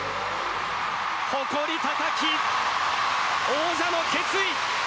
誇り高き王者の決意